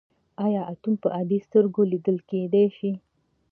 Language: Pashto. ایا اتوم په عادي سترګو لیدل کیدی شي.